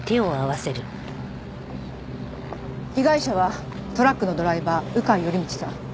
被害者はトラックのドライバー鵜飼頼道さん。